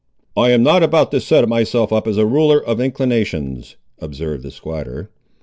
"I am not about to set myself up as a ruler of inclinations," observed the squatter.